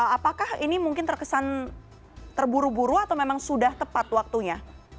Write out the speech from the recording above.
apakah ini mungkin terkesan terburu buru atau memang sudah tepat waktunya